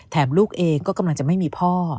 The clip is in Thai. ลูกเองก็กำลังจะไม่มีพ่อ